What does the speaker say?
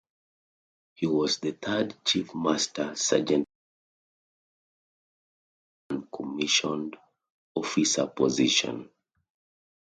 He was the third chief master sergeant appointed to this top noncommissioned officer position.